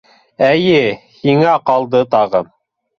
— Эйе, һиңә ҡалды тағы!